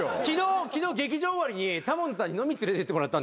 昨日劇場終わりにタモンズさんに飲み連れてってもらったんですよ。